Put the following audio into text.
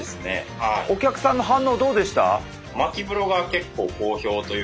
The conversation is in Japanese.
お客さんの反応どうでした？